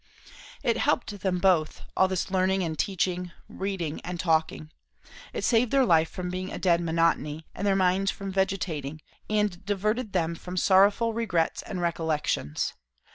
It helped them both, all this learning and teaching; reading and talking. It saved their life from being a dead monotony, and their minds from vegetating; and diverted them from sorrowful regrets and recollections.